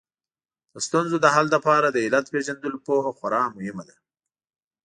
د ستونزو د حل لپاره د علت پېژندلو پوهه خورا مهمه ده